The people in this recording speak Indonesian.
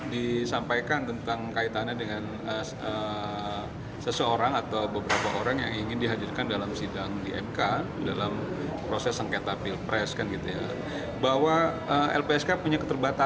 disampaikan tentang kaitannya dengan seseorang atau beberapa orang yang ingin dihadirkan dalam sidang di mk